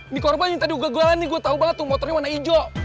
nih korban yang tadi gua jalanin gua tau banget tuh motornya warna hijau